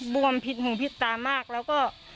วมผิดหูผิดตามากแล้วก็